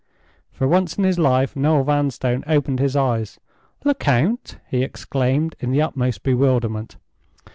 For once in his life, Noel Vanstone opened his eyes. "Lecount!" he exclaimed, in the utmost bewilderment.